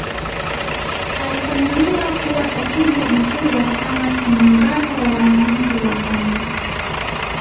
Alichaguliwa kuwa katibu mkuu wa chama cha muungano wa wananchi wa Ghana